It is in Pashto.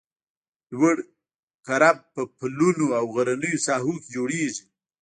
لوړ کرب په پلونو او غرنیو ساحو کې جوړیږي